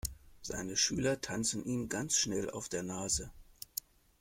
Seine Schüler tanzen ihm ganz schnell auf der Nase.